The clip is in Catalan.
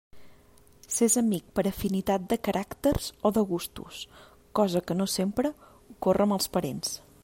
S'és amic per afinitat de caràcters o de gustos, cosa que no sempre ocorre amb els parents.